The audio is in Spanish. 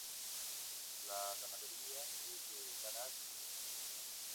La ganadería es de lanar y porcina.